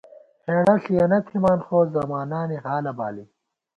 ہېڑہ ݪِیَنہ تھِمان خو زمانانی حالہ بالی